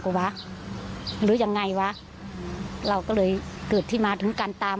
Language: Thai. ก็วะหรือยังไงวะเราก็เลยเกิดที่มาถึงการตาม